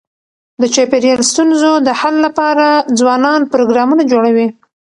د چاپېریال ستونزو د حل لپاره ځوانان پروګرامونه جوړوي.